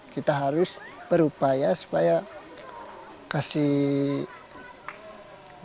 kita harus berupaya supaya kasih